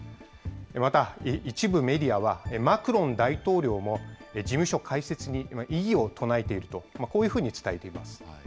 また、一部メディアは、マクロン大統領も事務所開設に異議を唱えていると、こういうふうに伝えています。